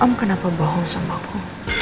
om kenapa bohong sama aku